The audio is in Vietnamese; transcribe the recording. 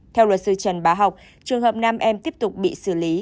theo luật sư trần bá học trường hợp nam em tiếp tục bị xử lý